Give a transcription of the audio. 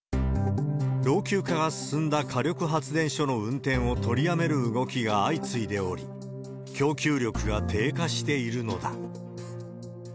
老朽化が進んだ火力発電所の運転を取りやめる動きが相次いでおり、供給力が低下しているのだ。